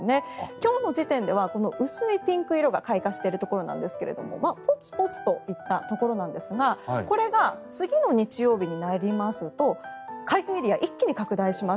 今日の時点では薄いピンク色のところが開花している地点ですがポツポツといったところなんですがこれが次の日曜日になりますと開花エリア、一気に拡大します。